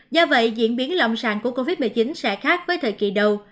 do vậy diễn biến lâm sàng của covid một mươi chín sẽ khác với thời kỳ đầu